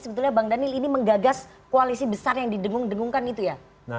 sebetulnya bang daniel ini menggagas koalisi besar yang didengung dengungkan itu ya